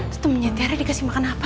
setemu nyi tiara dikasih makanan apa ya